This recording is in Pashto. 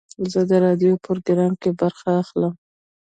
زه د راډیو پروګرام کې برخه اخلم.